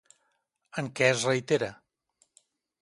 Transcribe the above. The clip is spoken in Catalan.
En què es reitera?